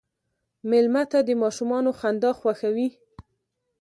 مېلمه ته د ماشومانو خندا خوښوي.